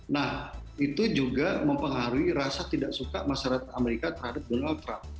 nah itu juga mempengaruhi rasa tidak suka masyarakat amerika terhadap donald trump